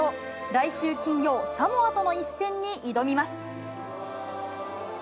来週金曜、サモアとの一戦に挑みます。